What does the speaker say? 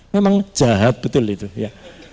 memang jahat betul itu ya